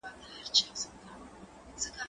زه پرون کتابتون ته راغلم!؟